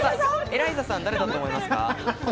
エライザさん、誰だと思いますか？